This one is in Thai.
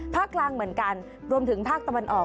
ภาคกลางเหมือนกันรวมถึงภาคตะวันออก